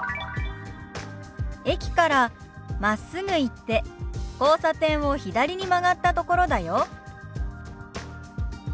「駅からまっすぐ行って交差点を左に曲がったところだよ」。